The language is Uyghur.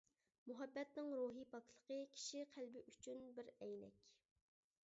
مۇھەببەتنىڭ روھىي پاكلىقى كىشى قەلبى ئۈچۈن بىر ئەينەك.